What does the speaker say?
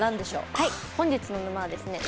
本日の沼はですね